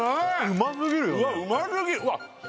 うますぎるわっ